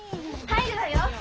入るわよ！